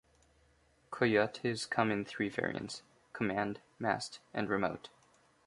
Coyotes come in three variants: Command, Mast, and Remote.